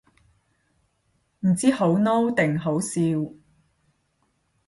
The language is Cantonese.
唔知好嬲定好笑